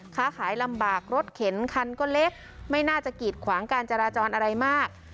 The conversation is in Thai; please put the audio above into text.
ค้าขายลำบากรถเข็นคันก็เล็กไม่น่าจะกีดขวางการจราจรอะไรมาก